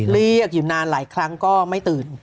เรียกอยู่นานหลายครั้งก็ไม่ตื่น